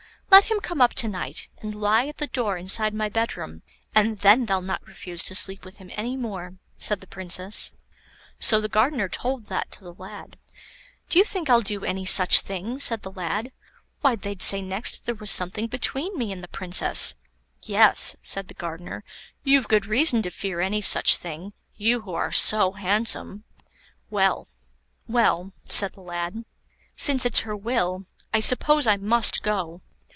"Let him come up to night, and lie at the door inside my bedroom, and then they'll not refuse to sleep with him any more," said the Princess. So the gardener told that to the lad. "Do you think I'll do any such thing?" said the lad. "Why they'd say next there was something between me and the Princess." "Yes," said the gardener, "you've good reason to fear any such thing, you who are so handsome." "Well, well," said the lad, "since it's her will, I suppose I must go."